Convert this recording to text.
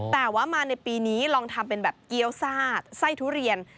แต่ว่ามาในปีนี้ลองทำเป็นแบบเกี้ยวซ่าไส้ทุเรียน